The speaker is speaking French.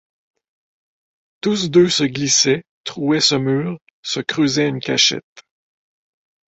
Tous deux se glissaient, trouaient ce mur, se creusaient une cachette.